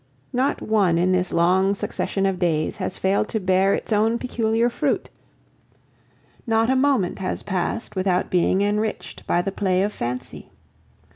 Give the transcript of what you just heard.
Not one in this long succession of days has failed to bear its own peculiar fruit; not a moment has passed without being enriched by the play of fancy.